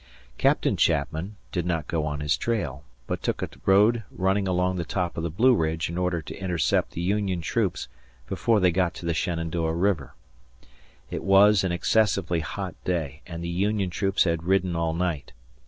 Captain Chapman did not go on his trail, but took a road running along the top of the Blue Ridge in order to intercept the Union troops before they got to the Shenandoah River. It was an excessively hot day and the Union troops had ridden all night.